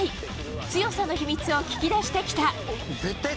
強さの秘密を聞き出してきた。